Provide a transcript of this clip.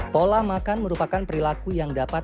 pola makan merupakan perilaku yang dapat